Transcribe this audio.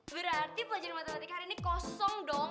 berarti pelajaran matematika hari ini kosong dong